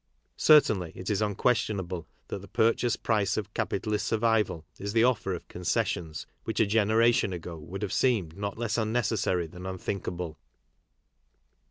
Certainly it is un t questionable that the purchase price of capitalist sur vival is the offer of concessions which a generation ago would have seemed not less unnecessary than unthink able.